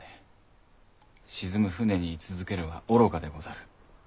沈む船に居続けるは愚かでござる。